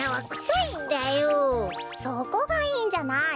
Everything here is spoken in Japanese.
そこがいいんじゃない！